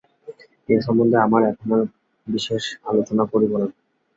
এ সম্বন্ধে আমরা এখন আর বিশেষ আলোচনা করিব না।